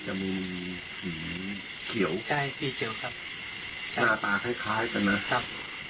จะมีสีเขียวสีเปียวครับ่ะตาคล้ายกันนะครับ